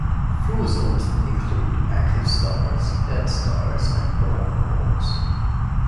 Fusors would include active stars, dead stars, and brown dwarfs.